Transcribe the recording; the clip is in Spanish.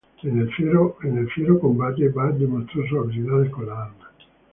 En el fiero combate Bat demostró sus habilidades con las armas.